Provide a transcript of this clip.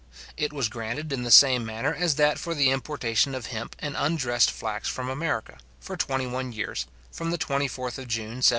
It was granted in the same manner as that for the importation of hemp and undressed flax from America, for twenty one years, from the 24th June 1779 to the 24th June 1800.